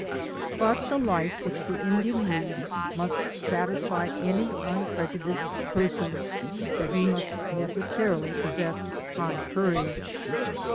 But the life which the Indian leads cannot but satisfy any unprejudiced person that he must neces sarily possess high courage.